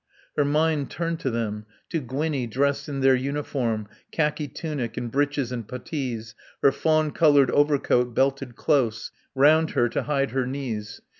Her mind turned to them: to Gwinnie, dressed in their uniform, khaki tunic and breeches and puttees, her fawn coloured overcoat belted close round her to hide her knees.